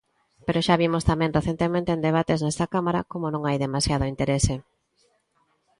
Pero xa vimos tamén recentemente en debates nesta Cámara como non hai demasiado interese.